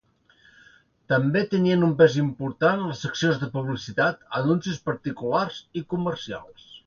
També tenien un pes important les seccions de publicitat, anuncis particulars i comercials.